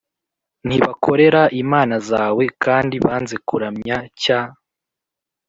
ntibakorera imana zawe kandi banze kuramya cya